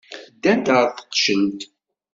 Ddant ɣer teqcelt.